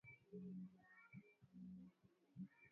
wengi hawakutaka kuondoka kwenye meli nzuri